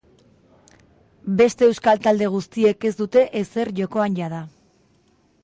Beste euskal talde guztiek ez dute ezer jokoan jada.